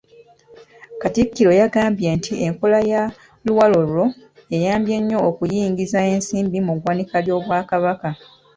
Katikkiro yagambye nti enkola ya ‘luwalo lwo’ eyambye nnyo okuyingiza ensimbi mu ggwanika ly’Obwakabaka.